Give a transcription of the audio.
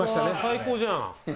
最高じゃん。